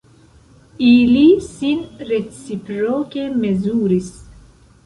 Ili sin reciproke mezuris.